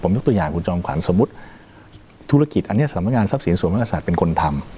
ผมยกตัวอย่างคุณจอมขวัญสมมุติธุรกิจอันนี้สำหรับงานทรัพย์ศิลป์สวมพมศัษย์เป็นคนทำ